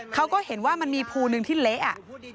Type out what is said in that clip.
เขาก็เห็นว่ามันมีภูนึงที่เละอ่ะ